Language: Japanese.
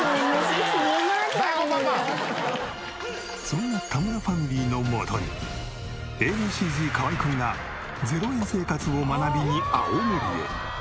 そんな田村ファミリーのもとにＡ．Ｂ．Ｃ−Ｚ河合くんが０円生活を学びに青森へ。